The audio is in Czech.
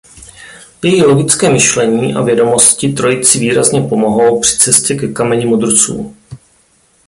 Její logické myšlení a vědomosti trojici výrazně pomohou při cestě ke Kameni mudrců.